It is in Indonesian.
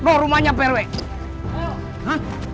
pak bambang rumahnya pak bambang